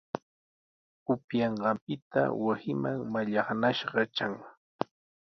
Upyanqanpita wasinman mallaqnashqa tran.